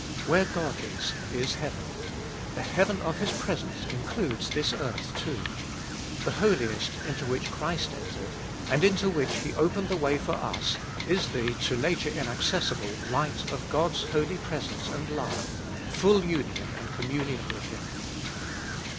Where God is, is heaven ; the heaven of His presence includes this earth too, The Holiest into which Christ entered, and into which He Iboliest of 2UI 355 opened the way for us, is the, to nature, inaccessible light of God's holy presence and love, full union and communion with Him.